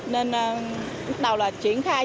nên lúc đầu là chuyển khai